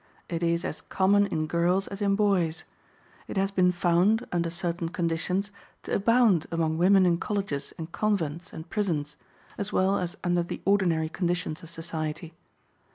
It is as common in girls as in boys; it has been found, under certain conditions, to abound among women in colleges and convents and prisons, as well as under the ordinary conditions of society.